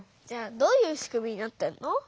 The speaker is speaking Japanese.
じゃあどういうしくみになってんの？